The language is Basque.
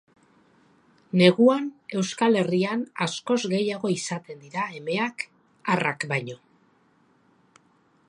Neguan Euskal Herrian askoz gehiago izaten dira emeak arrak baino.